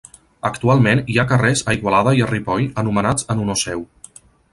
Actualment hi ha carrers a Igualada i a Ripoll anomenats en honor seu.